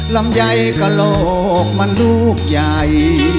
ลำใหญ่กะโลกมันลูกใหญ่